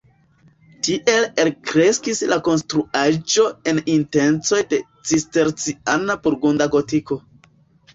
Tiel elkreskis la konstruaĵo en intencoj de cisterciana-burgunda gotiko.